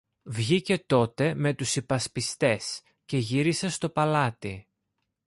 Βγήκε τότε με τους υπασπιστές και γύρισε στο παλάτι.